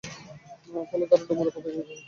ফলে তাঁরা ডুমুরের পাতা গায়ে জড়িয়ে নেন।